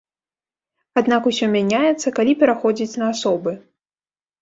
Аднак усё мяняецца, калі пераходзіць на асобы.